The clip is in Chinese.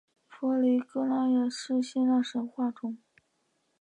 佛勒格拉也是希腊神话中。